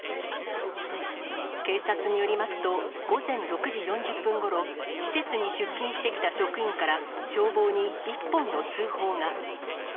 警察によりますと、午前６時４０分ごろ、施設に出勤してきた職員から、消防に一本の通報が。